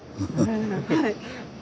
はい。